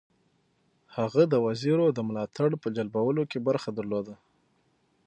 هغه د وزیرو د ملاتړ په جلبولو کې برخه درلوده.